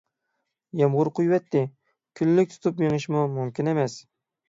يامغۇر قۇيۇۋەتتى، كۈنلۈك تۇتۇپ مېڭىشمۇ مۇمكىن ئەمەس.